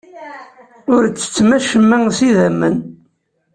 Ur ttettem acemma s idammen.